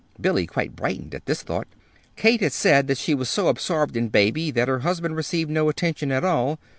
(Billy quite brightened at this thought.) Kate had said that she was so absorbed in Baby that her husband received no attention at all.